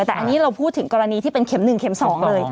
แต่อันนี้เราพูดถึงกรณีที่เป็นเข็ม๑เข็ม๒เลย